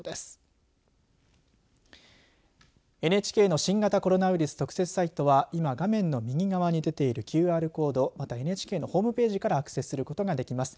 ＮＨＫの新型コロナウイルス特設サイトは今、画面の右側に出ているＱＲコードまたＮＨＫのホームページからアクセスすることができます。